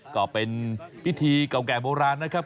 ก็เป็นพิธีเก่าแก่โบราณนะครับ